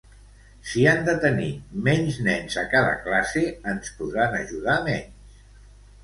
Si han de tenir menys nens a cada classe, ens podran ajudar menys.